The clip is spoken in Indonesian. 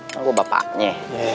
kan gue bapaknya